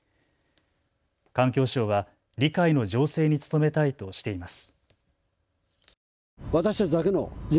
環境省は理解の醸成に努めたいとしています。